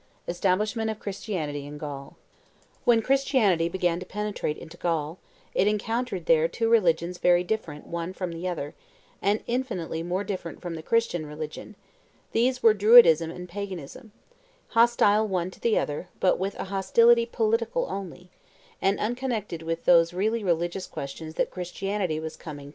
ESTABLISHMENT OF CHRISTIANITY IN GAUL. When Christianity began to penetrate into Gaul, it encountered there two religions very different one from the other, and infinitely more different from the Christian religion; these were Druidism and Paganism hostile one to the other, but with a hostility political only, and unconnected with those really religious questions that Christianity was coming to raise.